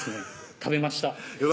食べましたうわ